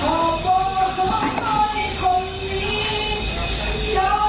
ลูกรออยู่ที่บ้านได้ปลอดกันยัง